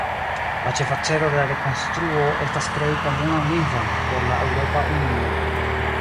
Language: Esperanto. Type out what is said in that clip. La ĉefa celo de la rekonstruo estas krei komunan lingvon por la Eŭropa Unio.